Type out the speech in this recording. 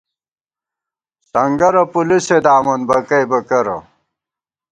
سنگَرہ پُلُسے دامون، بکَئیبہ کرہ